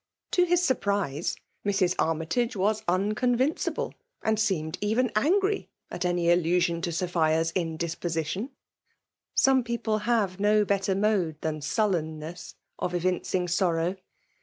. To his sufprise, Mrs. Armytage was iinooal* vincible ; and seemed even angry at uiy .aUu fiion to Sophia's indosposition. Some peofde have no better mode than snllenness of evin cing sorrow.